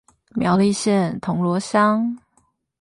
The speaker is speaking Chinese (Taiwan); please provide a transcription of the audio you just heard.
苗栗縣銅鑼鄉